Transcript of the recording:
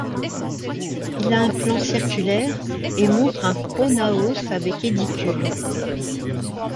Il a un plan circulaire, et montre un pronaos avec édicules.